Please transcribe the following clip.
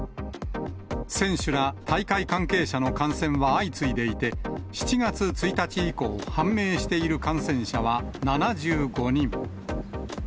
選手ら大会関係者の感染は相次いでいて、７月１日以降、判明している感染者は７５人。